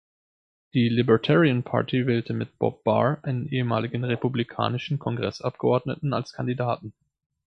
Die Libertarian Party wählte mit Bob Barr einen ehemaligen republikanischen Kongressabgeordneten als Kandidaten.